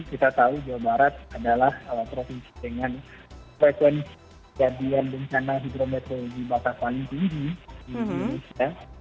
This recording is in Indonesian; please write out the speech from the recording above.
kita tahu jawa barat adalah provinsi dengan frekuensi jadian bencana hidrometeorologi batas paling tinggi di indonesia